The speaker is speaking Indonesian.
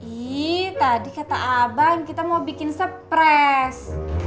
ih tadi kata abang kita mau bikin spres